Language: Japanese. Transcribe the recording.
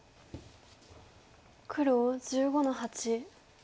黒１５の八。